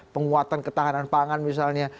penguatan ketahanan pangan misalnya